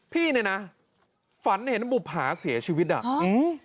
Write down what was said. พี่เนี่ยนะฝันเห็นบุภาเสียชีวิตอ่ะอืม